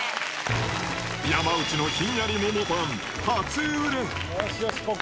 山内のひんやり桃パン、初売れ。